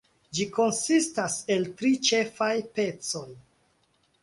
Ĝi konsistas el tri ĉefaj pecoj.